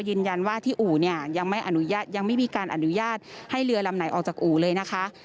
ยืนยันว่าที่อู่ยังไม่มีการอนุญาตให้เรือลำไหนออกจากอู่เลยนะคะ